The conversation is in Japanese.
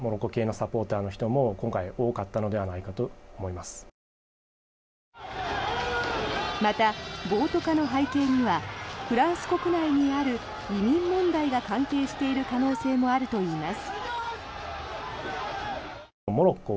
また、暴徒化の背景にはフランス国内にある移民問題が関係している可能性もあるといいます。